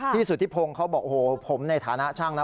สุธิพงศ์เขาบอกโอ้โหผมในฐานะช่างนะ